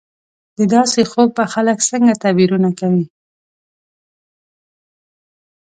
د داسې خوب به خلک څنګه تعبیرونه کوي